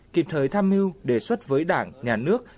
kịp thời tham mưu đề xuất với đảng nhà nước